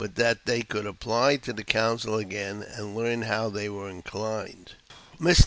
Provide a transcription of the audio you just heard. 301 that they could apply to the council again, and learn how they were inclined. Mr.